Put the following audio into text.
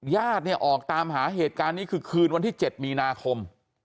ญาติเนี่ยออกตามหาเหตุการณ์นี้คือคืนวันที่๗มีนาคม